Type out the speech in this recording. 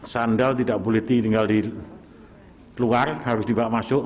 sandal tidak boleh tinggal di luar harus dibawa masuk